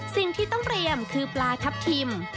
สิ่งที่ต้องเตรียมคือปลาทับทิม